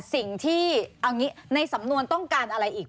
สิ่งที่ในสำนวนต้องการอะไรอีก